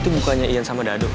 itu bukannya ian sama dado